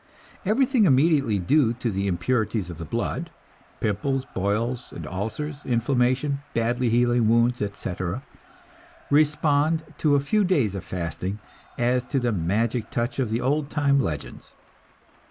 Everything immediately due to impurities of the blood, pimples, boils, and ulcers, inflammation, badly healing wounds, etc., respond to a few days of fasting as to the magic touch of the old time legends.